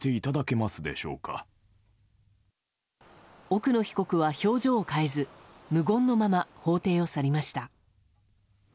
奥野被告は表情を変えず無言のまま法廷を去りました。